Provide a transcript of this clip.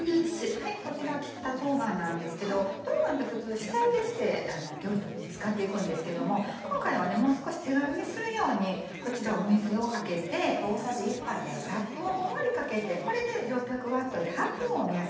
こちら切った冬瓜なんですけど冬瓜って普通下ゆでして料理に使っていくんですけども今回はもう少し手軽にするようにこちら水をかけてラップをふんわりかけてこれで。